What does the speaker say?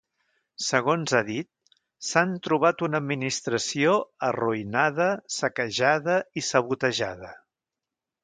Segons ha dit, s’han trobat una administració “arruïnada, saquejada i sabotejada”.